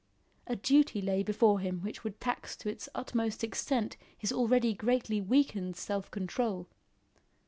A duty lay before him which would tax to its utmost extent his already greatly weakened self control.